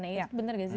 ya itu bener gak sih